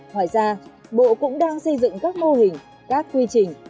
ngoài ra bộ cũng đang xây dựng các mô hình các quy trình